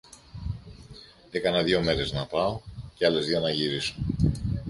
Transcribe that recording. Έκανα δυο μέρες να πάω, και άλλες δυο να γυρίσω.